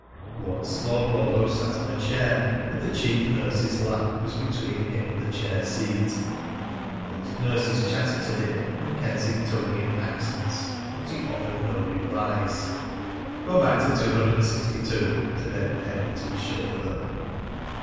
Once Lord Woldo sat on a chair, but the chief nurse's lap was between him and the chair seat. Both nurses chattered to him in Kensingtonian accents, but he offered no replies. "Go back to 262," said Edward Henry to his chauffeur.